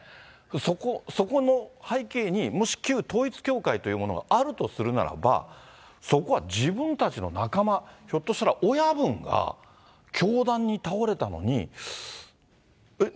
そこ、そこの背景に、もし旧統一教会というものがあるとするならば、そこは自分たちの仲間、ひょっとしたら親分が凶弾に倒れたのに、えっ？